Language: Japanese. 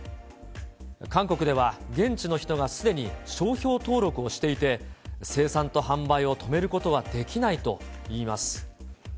韓国では、現地の人がすでに商標登録をしていて、生産と販売を止めることはできないといいます。